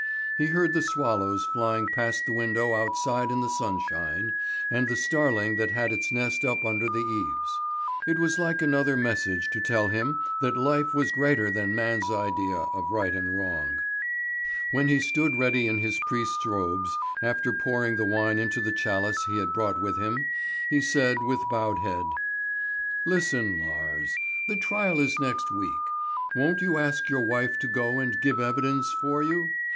He heard the swallows flying past the window outside in the sunshine, and the starling that had its nest up under the eaves. It was like another message to tell him that life was greater than man's idea of right and wrong. When he stood ready in his priest's robes, after pouring the wine into the chalice he had brought with him, he said with bowed head: "Listen, Lars. The trial is next week. Won't you ask your wife to go and give evidence for you?